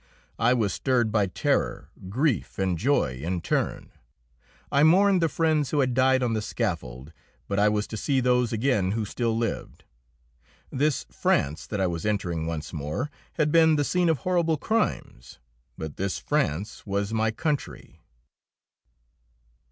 I was stirred by terror, grief and joy in turn. I mourned the friends who had died on the scaffold; but I was to see those again who still lived. This France, that I was entering once more, had been the scene of horrible crimes. But this France was my country!